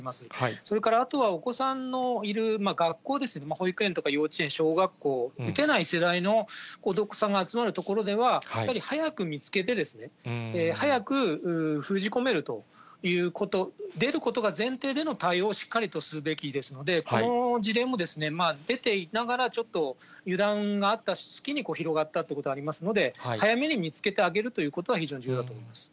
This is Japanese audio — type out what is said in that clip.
それから、あとはお子さんのいる学校ですね、保育園とか幼稚園、小学校、打てない世代のお子さんが集まる所では、やはり早く見つけて、早く封じ込めるということ、出ることが前提での対応をしっかりとするべきですので、この事例も、出ていながらちょっと油断があった隙に広がったということがありますので、早めに見つけてあげるということは非常に重要だと思います。